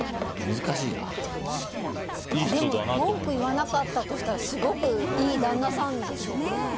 文句言わなかったとしたらすごくいい旦那さんですよね。